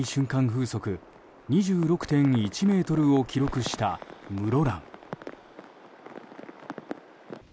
風速２６．１メートルを記録した室蘭。